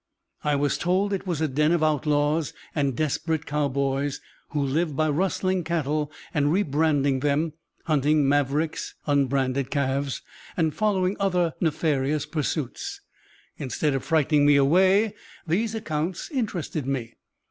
I was told it was a den of outlaws and desperate cowboys, who lived by "rustling" cattle and rebranding them, hunting mavericks, (unbranded calves) and following other nefarious pursuits. Instead of frightening me away, these accounts interested me.